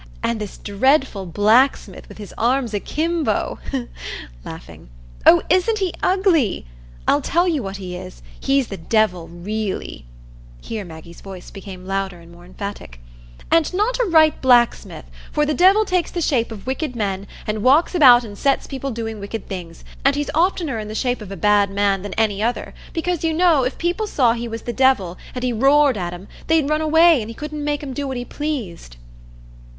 And this dreadful blacksmith with his arms akimbo, laughing,—oh, isn't he ugly?—I'll tell you what he is. He's the Devil really" (here Maggie's voice became louder and more emphatic), "and not a right blacksmith; for the Devil takes the shape of wicked men, and walks about and sets people doing wicked things, and he's oftener in the shape of a bad man than any other, because, you know, if people saw he was the Devil, and he roared at 'em, they'd run away, and he couldn't make 'em do what he pleased."